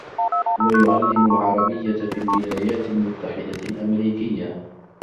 هو يعلم العربية في الولايات المتحدة الأمريكية.